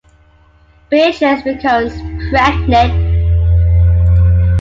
Beatrice becomes pregnant.